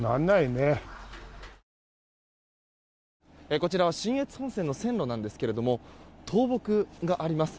こちらは信越本線の線路なんですけれども倒木があります。